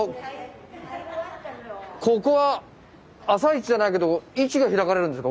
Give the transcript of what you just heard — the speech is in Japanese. ここは朝市じゃないけど市が開かれるんですか？